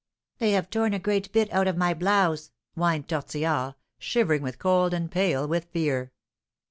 "They have torn a great bit out of my blouse," whined Tortillard, shivering with cold and pale with fear.